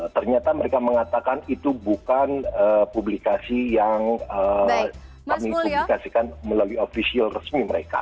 ternyata mereka mengatakan itu bukan publikasi yang kami publikasikan melalui ofisial resmi mereka